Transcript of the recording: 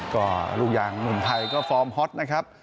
ก็ลูกยางหนุ่มไทยก็ฟอร์มฮอตนะครับ